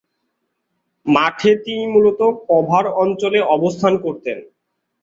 মাঠে তিনি মূলত কভার অঞ্চলে অবস্থান করতেন।